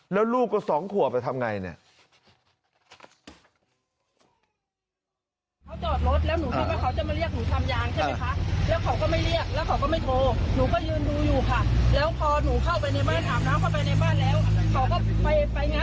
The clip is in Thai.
แล้วลูกก็๒ขัวไปทำอย่างไร